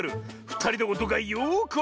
ふたりのことがよくわかった。